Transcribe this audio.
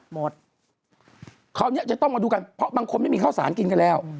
คราวนี้จะต้องมาดูกันเพราะบางคนไม่มีข้าวสารกินกันแล้ว